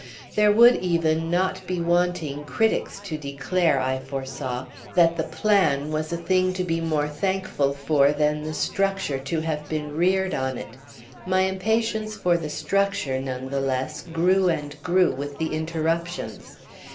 There would even not be wanting critics to declare, I foresaw, that the plan was a thing to be more thankful for than the structure to have been reared on it. My impatience for the structure, none the less, grew and grew with the interruptions.